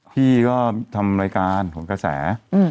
พี่ก็ทำรายการหนกระแส